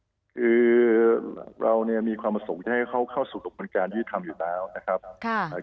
คือเรามีความอสมุทรให้เขาเข้าสู่ประการที่ทำอยู่แล้วนะครับ